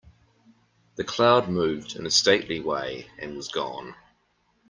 The cloud moved in a stately way and was gone.